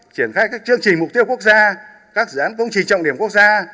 triển khai các chương trình mục tiêu quốc gia các dự án công trình trọng điểm quốc gia